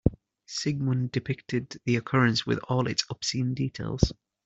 Sigmund depicted the occurrence with all its obscene details.